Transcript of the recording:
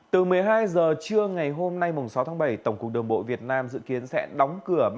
từ một mươi hai h trưa ngày hôm nay sáu tháng bảy tổng cục đường bộ việt nam dự kiến sẽ đóng cửa